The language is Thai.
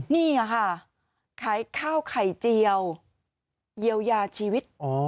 นี่ค่ะขายข้าวไข่เจียวเยียวยาชีวิต